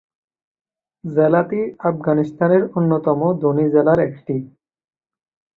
জেলাটি আফগানিস্তানের অন্যতম ধনী জেলার একটি।